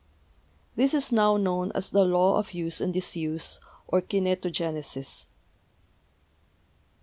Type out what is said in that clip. This is now known as the Law of Use and Disuse, or Kinetogenesis.)